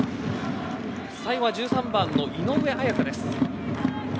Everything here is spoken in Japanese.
最後は１３番の井上綾香です。